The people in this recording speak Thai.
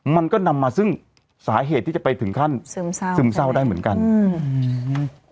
มันก็นำมาซึ่งสาเหตุที่จะไปถึงขั้นซึมเศร้าซึมเศร้าได้เหมือนกันอืม